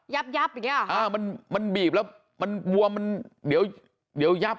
ยับอย่างนี้หรออ่ามันบีบแล้วมันบวมมันเดี๋ยวยับ